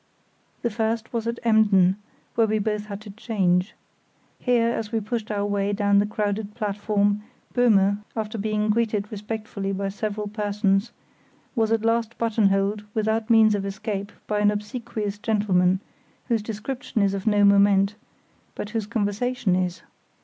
The first was at Emden, where we both had to change. Here, as we pushed our way down the crowded platform, Böhme, after being greeted respectfully by several persons, was at last buttonholed without means of escape by an obsequious gentleman, whose description is of no moment, but whose conversation is.